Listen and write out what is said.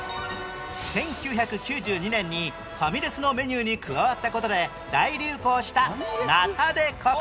１９９２年にファミレスのメニューに加わった事で大流行した